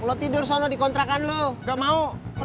ya udah solo tidur di kontrakan dulu